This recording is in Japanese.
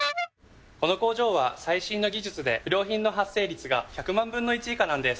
この工場は最新の技術で不良品の発生率が１００万分の１以下なんです。